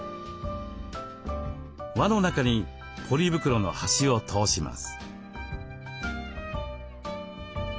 輪の中にポリ袋の端を通します。